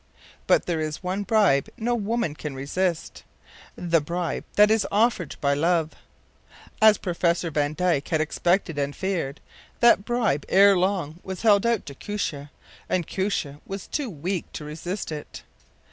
But there is one bribe no woman can resist the bribe that is offered by love. As Professor van Dijck had expected and feared, that bribe ere long was held out to Koosje, and Koosje was too weak to resist it.